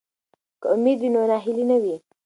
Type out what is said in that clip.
که امید وي نو ناهیلي نه وي.